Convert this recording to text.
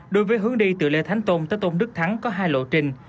đối với hướng đi từ lê thánh tôn tới tôn đức thắng có hai lộ trình